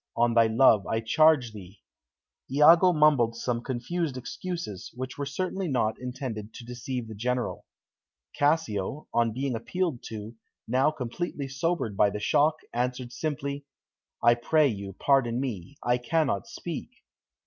On thy love, I charge thee." Iago mumbled some confused excuses, which were certainly not intended to deceive the General. Cassio, on being appealed to, now completely sobered by the shock, answered simply, "I pray you, pardon me; I cannot speak."